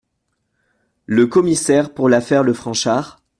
Le Commissaire Pour l’affaire le Franchart ?…